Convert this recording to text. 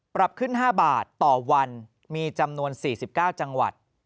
ปรับขึ้น๕บาทต่อวันมีจำนวน๔๙จังหวัด